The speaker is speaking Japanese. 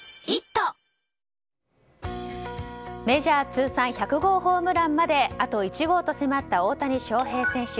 メジャー通算１００号ホームランまであと１号と迫った大谷翔平選手。